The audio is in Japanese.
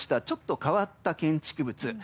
ちょっと変わった建築物。